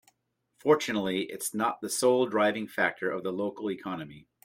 Fortunately its not the sole driving factor of the local economy.